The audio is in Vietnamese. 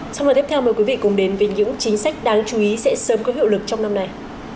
xong rồi tiếp theo mời quý vị cùng đến với những chính sách đáng chú ý sẽ sớm có hiệu lực trong năm nay